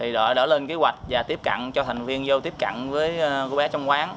đội đã lên kế hoạch và tiếp cận cho thành viên vô tiếp cận với cô bé trong quán